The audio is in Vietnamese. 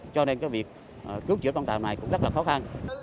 cứu trợ con tàu này cũng rất là khó khăn